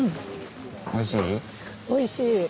おいしい？